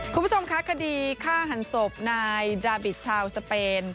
คุณผู้ชมคะคดีฆ่าหันศพนายดาบิตชาวสเปน